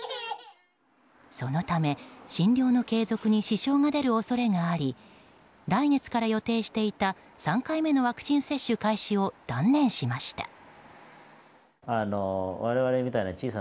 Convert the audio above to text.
そのため、診療の継続に支障が出る恐れがあり来月から予定していた３回目のワクチン接種開始を断念しました。